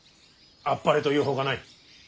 あっぱれと言うほかない。